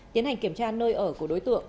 tiến hành kiểm tra nơi ở của đối tượng